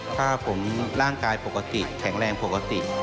ถ้าผมร่างกายแข็งแรงโปรกฅติ